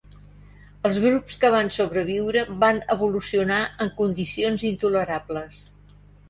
Els grups que van sobreviure van evolucionar en condicions intolerables.